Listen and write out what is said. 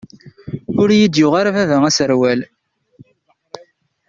Ur iyi-d-yuɣ ara baba aserwal.